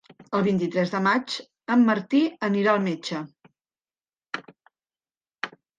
El vint-i-tres de maig en Martí anirà al metge.